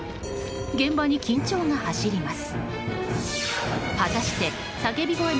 現場に緊張が走ります。